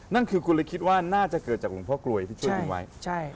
นั่นคือคุณเลยคิดว่าน่าจะเกิดจากหลวงพ่อกลวยที่ช่วยทิ้งไว้